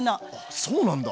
そうなんだ！